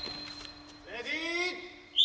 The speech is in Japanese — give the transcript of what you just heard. レディー。